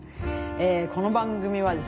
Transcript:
この番組はですね